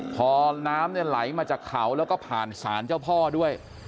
พอน้ำไหลมาจากเขาแล้วก็ผ่านศาลเจ้าพ่อด้วย